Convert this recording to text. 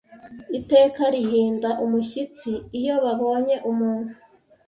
Iteka rihinda umushyitsi iyo babonye Umuntu